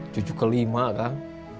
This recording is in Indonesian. cucu kelima kang